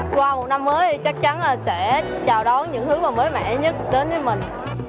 qua một năm mới thì chắc chắn là sẽ chào đón những thứ mà mới mẻ nhất đến với mình